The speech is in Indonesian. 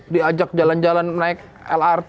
diajak jalan jalan naik lrt